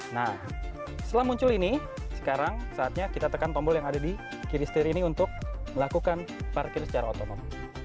nah setelah muncul ini sekarang saatnya kita tekan tombol yang ada di kiri setir ini untuk melakukan parkir secara otonom